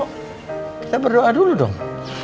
kita berdoa dulu dong